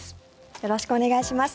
よろしくお願いします。